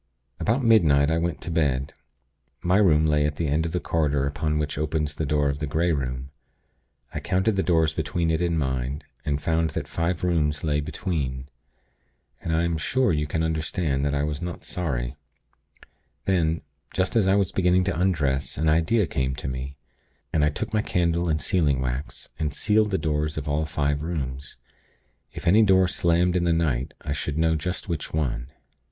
"About midnight, I went to bed. My room lay at the end of the corridor upon which opens the door of the Grey Room. I counted the doors between it and mine, and found that five rooms lay between. And I am sure you can understand that I was not sorry. Then, just as I was beginning to undress, an idea came to me, and I took my candle and sealing wax, and sealed the doors of all five rooms. If any door slammed in the night, I should know just which one.